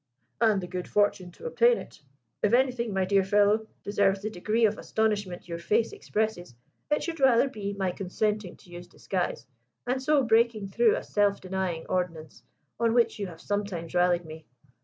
"And the good fortune to obtain it. If anything, my dear fellow, deserves the degree of astonishment your face expresses, it should rather be my consenting to use disguise, and so breaking through a self denying ordinance on which you have sometimes rallied me.